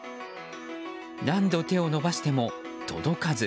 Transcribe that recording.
何度手を伸ばしても届かず。